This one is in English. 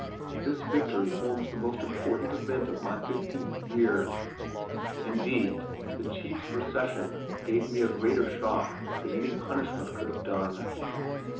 This victory forms the most important event of my fifteenth year. Indeed the chief's recession gave me a greater shock than any punishment could have done.